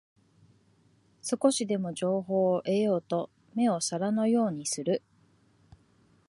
少しでも情報を得ようと目を皿のようにする